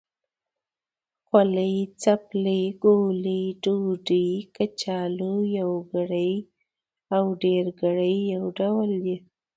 خولۍ، څپلۍ، ګولۍ، ډوډۍ، کچالو... يوګړی او ډېرګړي يو ډول دی.